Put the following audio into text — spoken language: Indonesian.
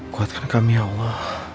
kuatkan kami ya allah